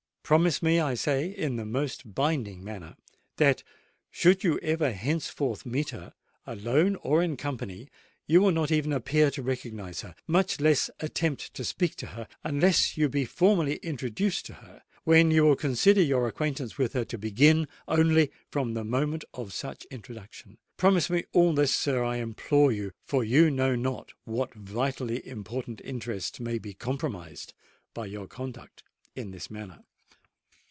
Promise me, I say, in the most binding manner, that should you ever henceforth meet her, alone or in company, you will not even appear to recognise her, much less attempt to speak to her, unless you be formally introduced to her, when you will consider your acquaintance with her to begin only from the moment of such introduction. Promise me all this, sir, I implore you—for you know not what vitally important interests may be compromised by your conduct in this matter."